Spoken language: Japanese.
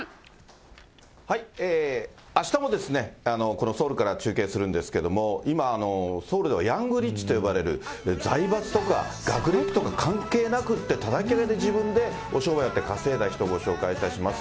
あしたもこのソウルから中継するんですけれども、今、ソウルではヤングリッチと呼ばれる、財閥とか、学歴とか関係なくって、たたき上げで商売やって稼いだ人をご紹介いたします。